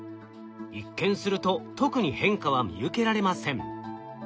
一見すると特に変化は見受けられません。